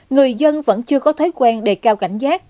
người dân vẫn chưa có thói quen để cao cảnh giác